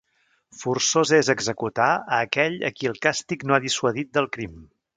Forçós és executar a aquell a qui el càstig no ha dissuadit del crim.